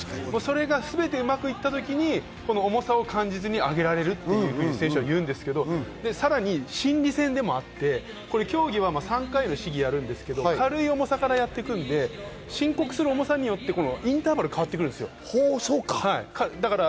すべてうまくいったときに重さを感じずに上げられるという選手は言うんですが、さらに心理戦でもあって、競技は３回やるんですが、軽い重さからやっていくんで、申告する重さによってインターバルが変わってくるんですよ。